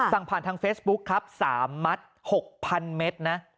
สั่งผ่านทางเฟซบุ๊คครับ๓มัด๖๐๐เมตรนะ